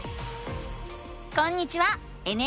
こんにちは！